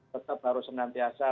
tetap harus senantiasa